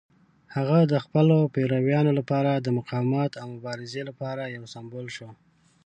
هغه د خپلو پیروانو لپاره د مقاومت او مبارزې لپاره یو سمبول شو.